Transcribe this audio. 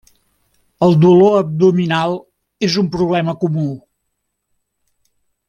El dolor abdominal és un problema comú.